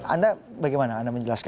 anda bagaimana anda menjelaskan